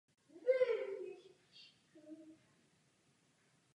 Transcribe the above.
Nyní se k ní musíme vrátit.